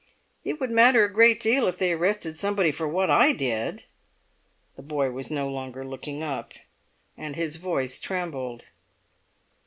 "It would matter a great deal if they arrested somebody for what I did!" The boy was no longer looking up; and his voice trembled.